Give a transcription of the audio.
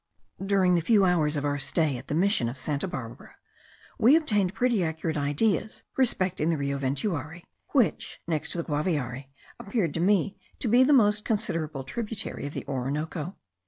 During the few hours of our stay at the mission of Santa Barbara, we obtained pretty accurate ideas respecting the Rio Ventuari, which, next to the Guaviare, appeared to me to be the most considerable tributary of the Orinoco.